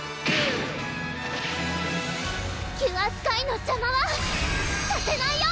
キュアスカイの邪魔はさせないよ！